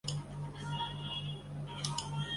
中央接受了。